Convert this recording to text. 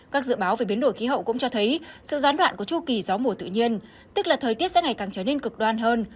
các dự báo về biến đổi khí hậu cũng cho thấy sự gián đoạn của chu kỳ gió mùa tự nhiên tức là thời tiết sẽ ngày càng trở nên cực đoan hơn